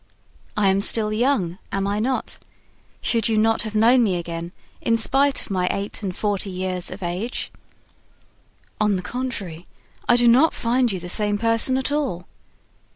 "I am still young, am I not? Should you not have known me again, in spite of my eight and forty years of age?" "On the contrary, I do not find you the same person at all."